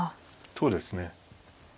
そうですね。